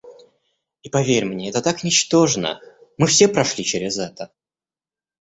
И поверь мне, это так ничтожно... Мы все прошли через это.